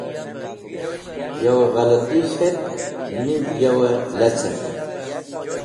Yawẽ ghalati k̃het niv yo lecẽr.